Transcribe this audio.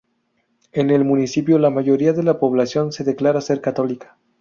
En el municipio la mayoría de la población se declara ser católica.